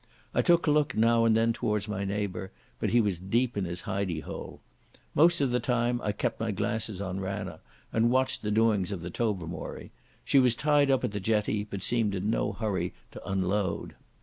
I took a look now and then towards my neighbour, but he was deep in his hidey hole. Most of the time I kept my glasses on Ranna, and watched the doings of the Tobermory. She was tied up at the jetty, but seemed in no hurry to unload.